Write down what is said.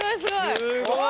すごい！